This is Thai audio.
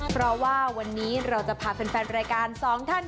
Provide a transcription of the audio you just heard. เพราะว่าวันนี้เราจะพาแฟนรายการสองท่าน